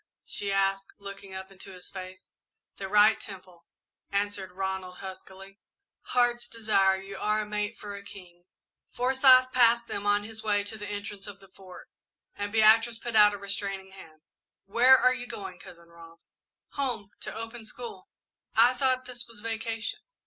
she asked, looking up into his face. "The right temple," answered Ronald, huskily. "Heart's Desire, you are a mate for a king!" Forsyth passed them on his way to the entrance of the Fort, and Beatrice put out a restraining hand. "Where are you going, Cousin Rob?" "Home to open school." "I thought this was vacation?"